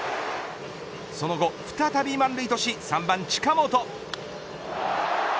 その後、再び満塁とし３番、近本。